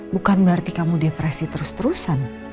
bukan berarti kamu depresi terus terusan